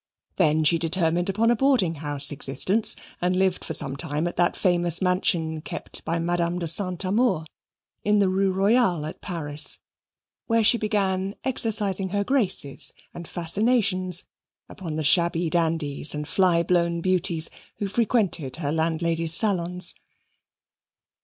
Then she determined upon a boarding house existence and lived for some time at that famous mansion kept by Madame de Saint Amour, in the Rue Royale, at Paris, where she began exercising her graces and fascinations upon the shabby dandies and fly blown beauties who frequented her landlady's salons.